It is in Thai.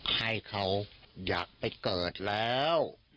ให้เขาอยากไปเกิดแล้ว